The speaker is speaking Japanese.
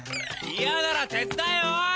嫌なら手伝えよ！